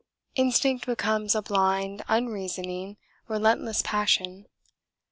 Instinct becomes a blind, unreasoning, relentless passion.